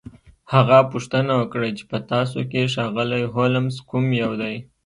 هغه پوښتنه وکړه چې په تاسو کې ښاغلی هولمز کوم یو دی